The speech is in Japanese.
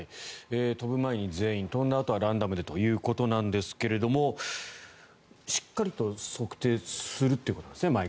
飛ぶ前に全員飛んだあとはランダムでということなんですけどしっかりと測定するってことですね。